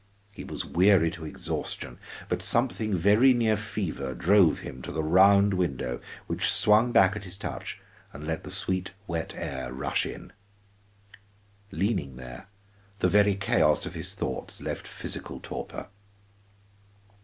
He was weary to exhaustion, but something very near fever drove him to the round window which swung back at his touch and let the wet sweet air rush in. Leaning there, the very chaos of his thoughts left physical torpor.